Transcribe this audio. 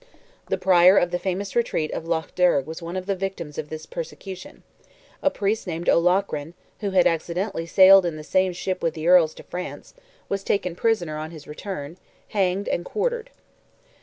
The Prior of the famous retreat of Lough Derg was one of the victims of this persecution; a Priest named O'Loughrane, who had accidentally sailed in the same ship with the Earls to France, was taken prisoner on his return, hanged and quartered.